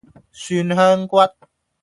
蒜香骨